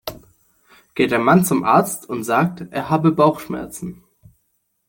Geht ein Mann zum Arzt und sagt, er habe Bauchschmerzen.